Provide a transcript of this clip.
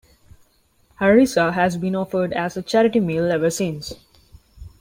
"Harissa" has been offered as a charity meal ever since.